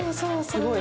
すごい。